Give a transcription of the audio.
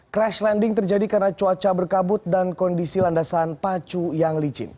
crash landing terjadi karena cuaca berkabut dan kondisi landasan pacu yang licin